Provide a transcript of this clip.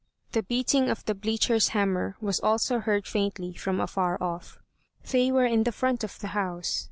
The beating of the bleacher's hammer was also heard faintly from afar off. They were in the front of the house.